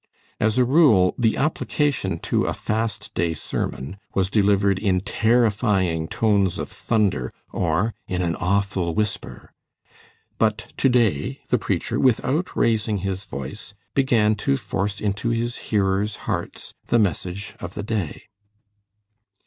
As a rule, the application to a Fast Day sermon was delivered in terrifying tones of thunder or in an awful whisper. But to day the preacher, without raising his voice, began to force into his hearers' hearts the message of the day.